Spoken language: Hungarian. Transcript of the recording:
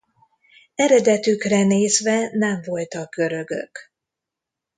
Eredetükre nézve nem voltak görögök.